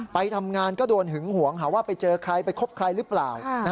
ไปทำงานก็โดนหึงหวงหาว่าไปเจอใครไปคบใครหรือเปล่า